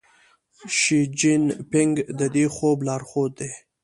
شي جین پینګ د دې خوب لارښود دی.